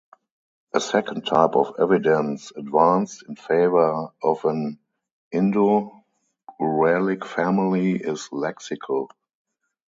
A second type of evidence advanced in favor of an Indo-Uralic family is lexical.